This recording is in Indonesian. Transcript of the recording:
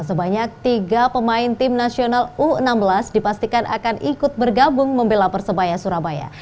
sebanyak tiga pemain tim nasional u enam belas dipastikan akan ikut bergabung membela persebaya surabaya